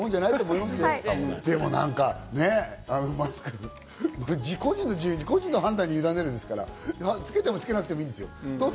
でも何か、マスク、個人の判断にゆだねるんですから、つけてもつけなくてもいいんですよ。